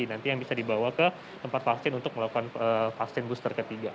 nanti yang bisa dibawa ke tempat vaksin untuk melakukan vaksin booster ketiga